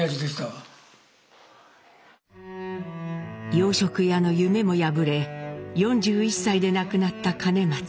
洋食屋の夢も破れ４１歳で亡くなった兼松。